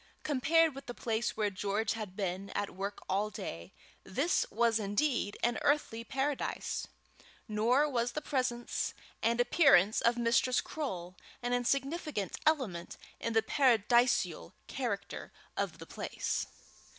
Compared with the place where George had been at work all day, this was indeed an earthly paradise. Nor was the presence and appearance of Mistress Croale an insignificant element in the paradisial character of the place.